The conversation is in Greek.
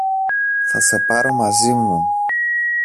Θα σε πάρω μαζί μου.